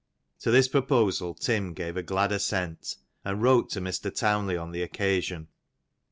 To this proposal Tim gave a glad assent, and wrote to Mr. Townley on the occasion.